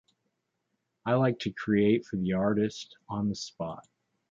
I like to create for the artist on the spot.